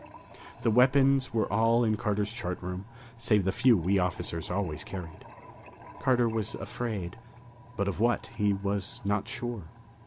The weapons were all in Carter's chart room, save the few we officers always carried. Carter was afraid, but of what, he was not sure.